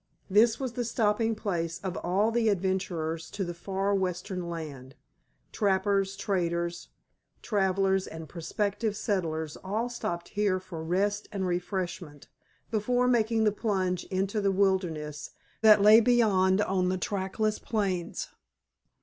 This was the stopping place of all the adventurers to the far western land. Trappers, traders, travelers and prospective settlers all stopped here for rest and refreshment before making the plunge into the wilderness that lay beyond on the trackless plains.